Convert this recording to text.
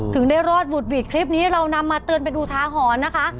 ถึงได้รอดวุฒิสคลิปนี้เรานำมันเตือนไปดูทางหอนนะคะ